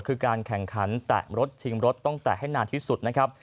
คือการแข่งขันแตะรถชิงรถต้องแตะให้นานที่สุดนะครับ